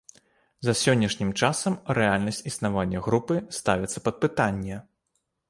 За сённяшнім часам рэальнасць існавання групы ставіцца пад пытанне.